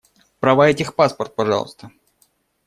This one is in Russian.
Права и техпаспорт, пожалуйста.